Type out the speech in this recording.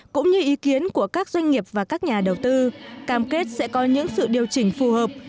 cũng như ý kiến của các doanh nghiệp và các nhà đầu tư cam kết sẽ có những sự điều chỉnh phù hợp